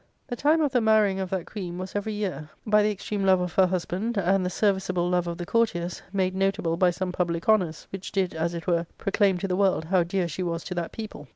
" The time of the marrying [of] that queen was every year, by the extreme love of her husband and the ser\'iceable love of the courtiers, made notable by some public honours, which did, as it were, proclaim to the world how dear she was to that people.